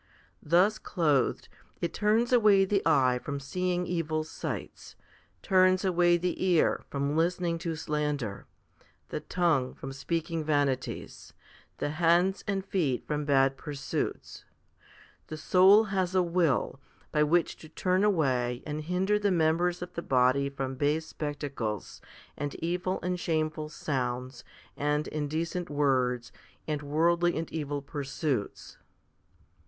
Thus clothed, it turns away the eye from seeing evil sights, turns away the ear from listening to slander, the tongue from speaking vanities, the hands and feet from bad pursuits. The soul has a will, by which to turn away and 22 FIFTY SPIRITUAL HOMILIES hinder the members of the body from base spectacles, and evil and shameful sounds, and indecent words, and worldly and evil pursuits.